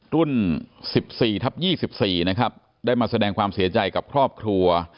รุ่น๑๔ทับ๒๔นะครับได้มาแสดงความเสียใจกับครอบครัว